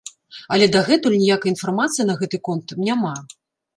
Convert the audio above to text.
Але дагэтуль ніякай інфармацыі на гэты конт няма.